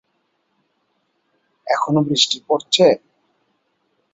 এখনো বৃষ্টি পরছে?